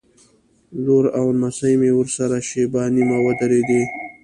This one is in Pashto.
لور او نمسۍ مې ورسره شېبه نیمه ودرېدې.